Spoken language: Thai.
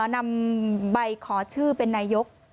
นำใบขอชื่อเป็นนายก